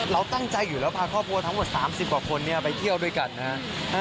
เราตั้งใจอยู่แล้วพาครอบครัวทั้งหมด๓๐กว่าคนไปเที่ยวด้วยกันนะฮะ